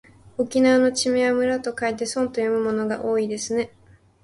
沖縄の地名は村と書いてそんと読むものが多いですね。